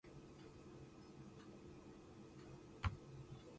Commercial is not a dirty word to me.